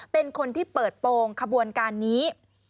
เป็นคนที่เปิดโปรงขบวนการนี้